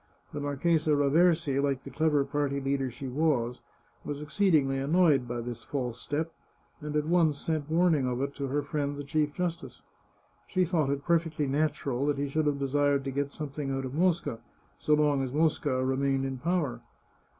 The Marchesa Raversi, like the clever party leader she was, was exceedingly annoyed by this false step, and at once sent warning of it to her friend the Chief Justice. She thought it perfectly natural that he should have desired to get something out of Mosca, so long as Mosca remained in power.